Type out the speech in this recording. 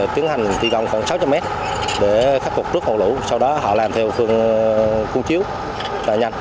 tiến hành thi công khoảng sáu trăm linh mét để khắc phục trước hậu lũ sau đó họ làm theo phương chiếu là nhanh